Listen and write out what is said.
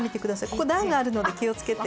ここ段があるので気をつけて。